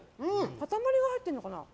塊が入っているのかな？